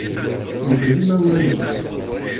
Yufa-d imawlan-nnes.